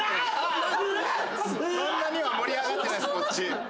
そんなには盛り上がってないっすこっち。